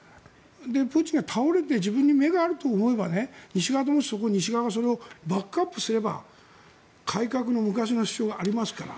プーチンが倒れて自分に目があると思えば西側がそれをバックアップすれば改革の昔の主張がありますから。